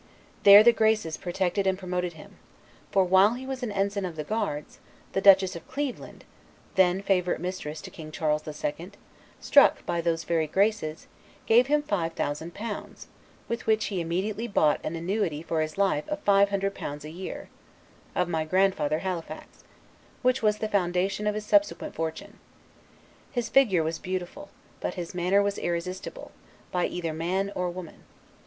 There the Graces protected and promoted him; for while he was an ensign of the Guards, the Duchess of Cleveland, then favorite mistress to King Charles the Second, struck by those very Graces, gave him five thousand pounds, with which he immediately bought an annuity for his life of five hundred pounds a year, of my grandfather Halifax; which was the foundation of his subsequent fortune. His figure was beautiful; but his manner was irresistible, by either man or woman.